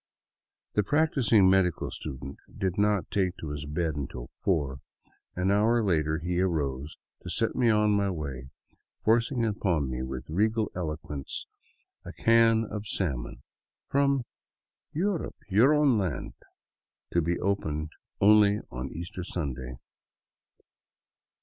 The practicing medical student did not take to his bed until four, and an hour later he arose to set me on my way, forcing upon me, with regal eloquence, a can of salmon from " Europe, your own land,'* to be opened only on Easter Sunday.